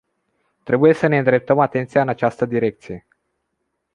Trebuie să ne îndreptăm atenția în această direcție.